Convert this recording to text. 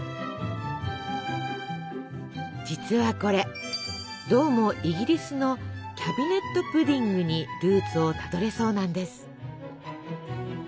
実はこれどうもイギリスの「キャビネットプディング」にルーツをたどれそうなんです。